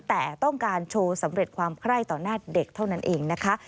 แต่ต้องการโชว์สำเร็จความไคร้ต่อหน้าเด็กเท่านั้นเองนะคะ